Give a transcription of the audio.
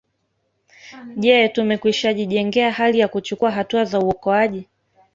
Je tumekwishajijengea hali ya kuchukua hatua za uokoaji